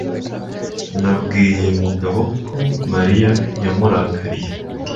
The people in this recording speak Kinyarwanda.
Nabwiye Mugabo ko Mariya yamurakariye.